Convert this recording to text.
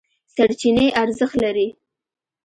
سرچینې ارزښت لري.